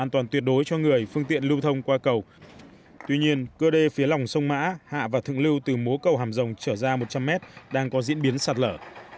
tuy nhiên cơ đê phía lòng sông mã hạ và thượng lưu từ mố cầu hàm rồng trở ra một trăm linh mét đang có diễn biến sạt lở